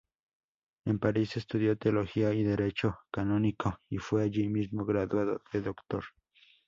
En París estudió Teología y Derecho Canónico, y fue allí mismo graduado de doctor.